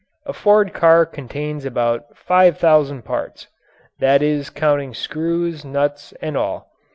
A Ford car contains about five thousand parts that is counting screws, nuts, and all.